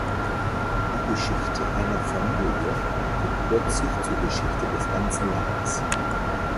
Die Geschichte einer Familie wird plötzlich zur Geschichte des ganzen Landes.